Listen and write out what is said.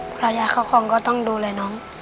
พอยายคล้ายของก็ต้องดูแลน้อง